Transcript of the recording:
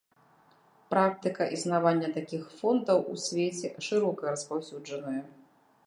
Практыка існавання такіх фондаў у свеце шырока распаўсюджаная.